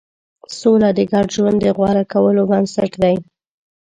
سوله د ګډ ژوند د غوره کولو بنسټ دی.